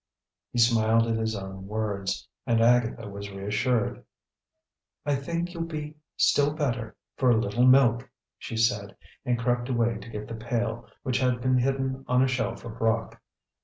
He smiled at his own words, and Agatha was reassured. "I think you'll be still better for a little milk," she said, and crept away to get the pail, which had been hidden on a shelf of rock.